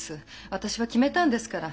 私は決めたんですから。